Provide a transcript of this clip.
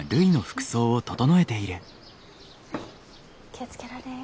気を付けられえよ。